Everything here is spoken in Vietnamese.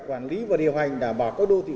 quản lý và điều hành đảm bảo các đô thị